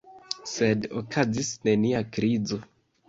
Sed okazis nenia krizo.